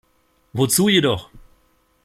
Wozu jedoch?